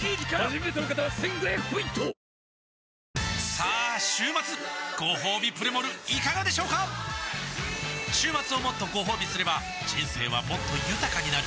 さあ週末ごほうびプレモルいかがでしょうか週末をもっとごほうびすれば人生はもっと豊かになる！